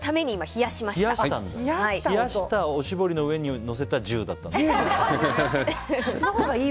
冷やしたおしぼりの上に乗せたジューだったんだ。